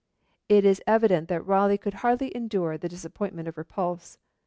It is evident that Raleigh could hardly endure the disappointment of repulse.